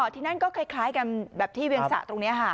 ที่นั่นก็คล้ายกันแบบที่เวียงสะตรงนี้ค่ะ